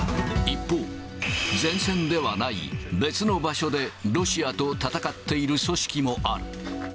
一方、前線ではない別の場所で、ロシアと戦っている組織もある。